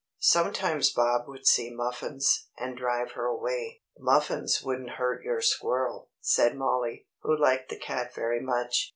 Sometimes Bob would see Muffins, and drive her away. "Muffins wouldn't hurt your squirrel," said Mollie, who liked the cat very much.